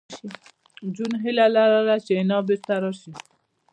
جون هیله لرله چې حنا بېرته راشي